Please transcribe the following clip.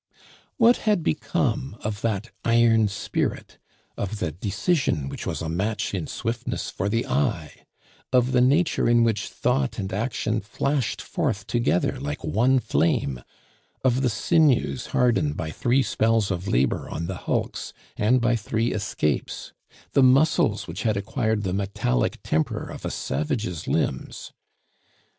What had become of that iron spirit; of the decision which was a match in swiftness for the eye; of the nature in which thought and action flashed forth together like one flame; of the sinews hardened by three spells of labor on the hulks, and by three escapes, the muscles which had acquired the metallic temper of a savage's limbs?